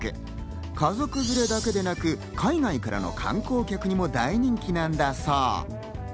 家族連れだけでなく、海外からの観光客にも大人気なんだそう。